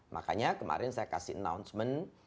makanya kemarin saya kasih announcement